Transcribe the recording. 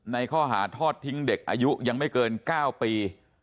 ในข้อหาทอดทิ้งเด็กอายุยังไม่เกิน๙ปี